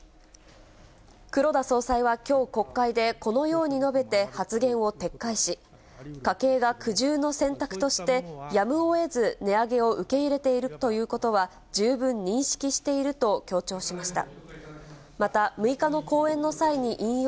黒田総裁はきょう国会でこのように述べて、発言を撤回し、家計が苦渋の選択として、やむをえず値上げを受け入れているということは、十分認識していると強調しました。